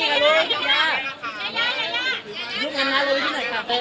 ถ้าสถานการณ์มันคือยงี้ต่อไป